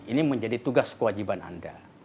ini menjadi tugas kewajiban anda